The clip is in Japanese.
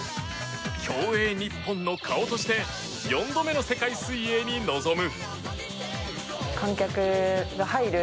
競泳日本の顔として４度目の世界水泳に臨む。